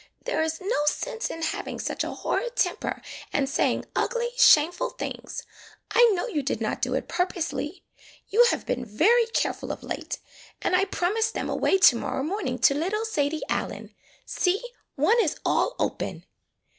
"There is no sense in having such a horrid temper and saying ugly, shameful things. I know you did not do it purposely. [ 25 ] AN EASTER LILY You have been very careful of late. And I promised them away to morrow morning to little Sadie Allen. See, one is all open!"